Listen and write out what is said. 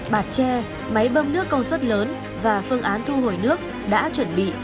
bạt tre máy bơm nước công suất lớn và phương án thu hồi nước đã chuẩn bị